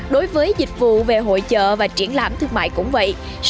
đối với dịch vụ về hội chợ và triển lãm thương mại cũng vậy